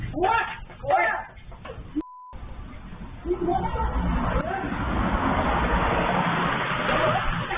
หัวหัวมันต้องมันต้อง